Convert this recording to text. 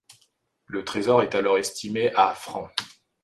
Le trésor est alors estimé à francs.